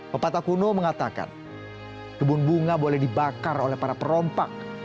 pepatah kuno mengatakan kebun bunga boleh dibakar oleh para perompak